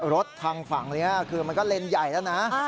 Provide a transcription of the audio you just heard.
รถทางฝั่งนี้คือมันก็เลนส์ใหญ่แล้วนะ